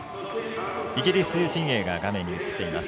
イギリス陣営が画面に映っています。